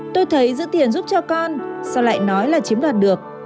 tôi thấy giữ tiền giúp cho con sau lại nói là chiếm đoạt được